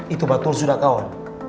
itu betul sudah kawan